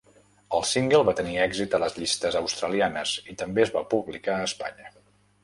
El single va tenir èxit a les llistes australianes i també es va publicar a Espanya.